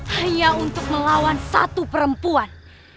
hanya untuk melawan satu perempuan